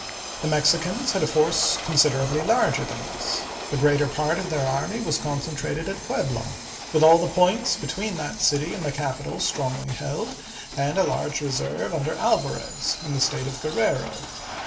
The Mexicans had a force consid erably larger than this. The greater part of their army was concentrated at Puebla, with all the points between that city and the capital strongly held and a large reserve under Alvarez in the State of Guerrero.